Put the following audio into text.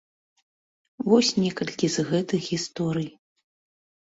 Вось некалькі з гэтых гісторый.